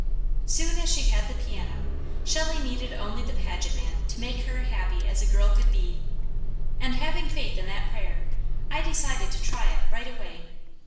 Soon as she had the piano, Shelley needed only the Paget man to make her happy as a girl could be; and having faith in that prayer, I decided to try it right away.